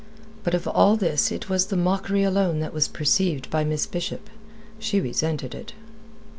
But of all this it was the mockery alone that was perceived by Miss Bishop; she resented it.